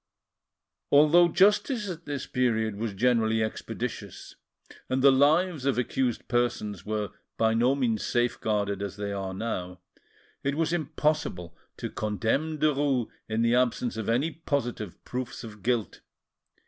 Although justice at this period was generally expeditious, and the lives of accused persons were by no means safe guarded as they now are, it was impossible to condemn Derues in the absence of any positive proofs of guilt.